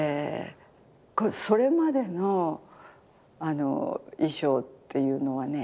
それまでの衣装っていうのはね